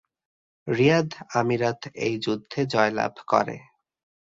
রিয়াদ আমিরাত এই যুদ্ধে জয়লাভ করে।